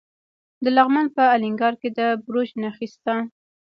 د لغمان په الینګار کې د بیروج نښې شته.